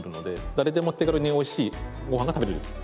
誰でも手軽に美味しいご飯が食べられる。